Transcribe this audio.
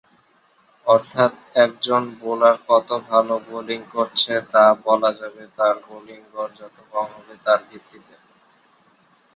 অর্থাৎ, একজন বোলার কত ভালো বোলিং করছে তা বলা যাবে তার বোলিং গড় যত কম হবে তার ভিত্তিতে।